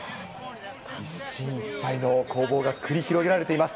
一進一退の攻防が繰り広げられています。